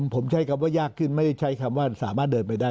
ผมใช้คำว่ายากขึ้นไม่ได้ใช้คำว่าสามารถเดินไปได้